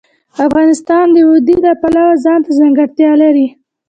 افغانستان د وادي د پلوه ځانته ځانګړتیا لري.